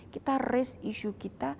kita berbicara dengan mereka